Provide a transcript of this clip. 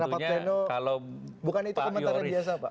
ya tentunya kalau pak yoris